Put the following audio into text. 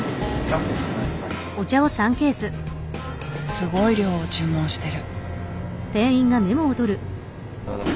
すごい量を注文してる。